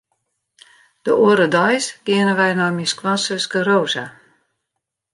De oare deis geane wy nei myn skoansuske Rosa.